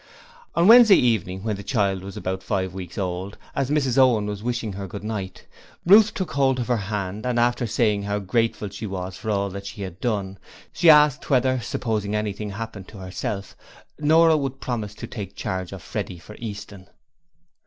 On Wednesday evening, when the child was about five weeks old, as Mrs Owen was wishing her good night, Ruth took hold of her hand and after saying how grateful she was for all that she had done, she asked whether supposing anything happened to herself Nora would promise to take charge of Freddie for Easton.